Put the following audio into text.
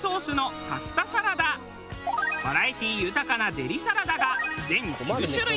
バラエティー豊かなデリサラダが全９種類。